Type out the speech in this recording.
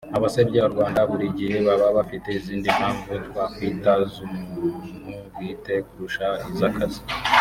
Abasebya u Rwanda buri gihe baba bafite izindi mpamvu twakwita z’umuntu bwite kurusha izakazi